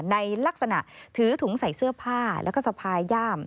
ในลักษณะถือถุงใส่เสื้อผ้าแล้วก็สะพายย่าม